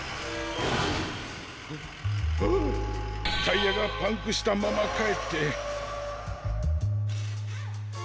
タイヤがパンクしたままかえって。